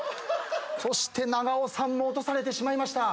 そして長尾さんも落とされてしまいました。